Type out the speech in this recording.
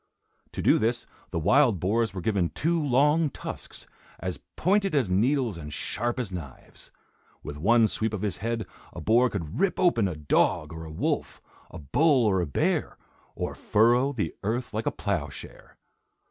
To do this, the wild boars were given two long tusks, as pointed as needles and sharp as knives. With one sweep of his head a boar could rip open a dog or a wolf, a bull or a bear, or furrow the earth like a ploughshare.